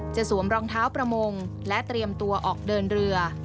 สวมรองเท้าประมงและเตรียมตัวออกเดินเรือ